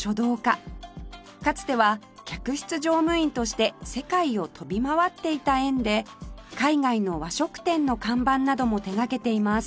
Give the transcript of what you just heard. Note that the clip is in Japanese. かつては客室乗務員として世界を飛び回っていた縁で海外の和食店の看板なども手掛けています